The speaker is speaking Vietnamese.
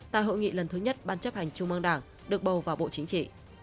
tại hội nghị lần thứ nhất ban chấp hành trung mương đảng được bầu vào bộ chính trị